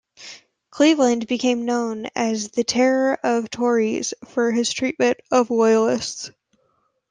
Cleveland became known as the "Terror of the Tories" for his treatment of Loyalists.